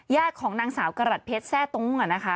แยกของนางสาวกระหลัดเพชรแทร่ตรงก่อนนะคะ